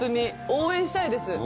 応援したいです。